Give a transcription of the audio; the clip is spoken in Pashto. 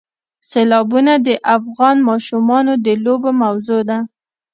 سیلابونه د افغان ماشومانو د لوبو موضوع ده.